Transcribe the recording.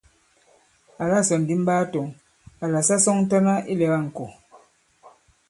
Àla sɔ̀ ndì m ɓaa tɔ̄ŋ àlà sa sɔŋtana ilɛ̀ga ìŋkò.